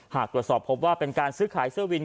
หากตรวจสอบพบว่าเป็นการซื้อขายเสื้อวิน